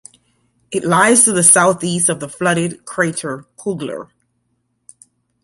It lies to the southeast of the flooded crater Kugler.